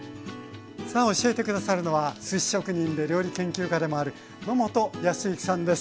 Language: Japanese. さあ教えて下さるのはすし職人で料理研究家でもある野本やすゆきさんです。